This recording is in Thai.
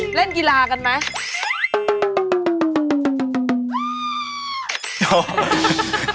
เล่นกีฬากันไหม